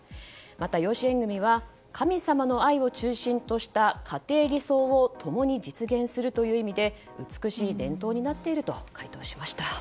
また、養子縁組は神様の愛を中心とした家庭理想を共に実現するという意味で美しい伝統になっていると回答しました。